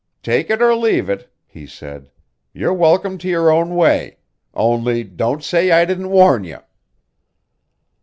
"Take it or leave it," he said. "You're welcome to your own way. Only don't say I didn't warn yer."